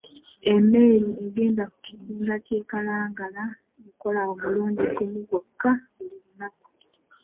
Emmeri egenda ku kizinga ky'e Kalangala ekola omulundi gumu gwokka buli lunaku.